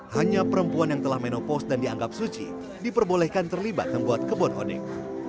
hanya perempuan yang telah menopos dan dianggap suci diperbolehkan terlibat membuat kebon odeng